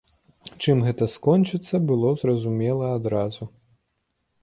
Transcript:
Чым гэта скончыцца, было зразумела адразу.